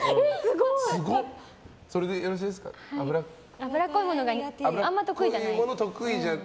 脂っこいものがあまり得意じゃない。